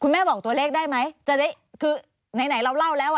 คุณแม่บอกตัวเลขได้ไหมไหนเราเล่าแล้ว